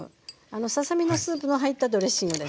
ささ身のスープが入ったドレッシングです。